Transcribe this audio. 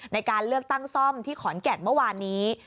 ในการเลือกตั้งซ่อมที่ขอนแก่นเมื่อวานนี้